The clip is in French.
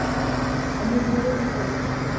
Améliorer l'état des choses.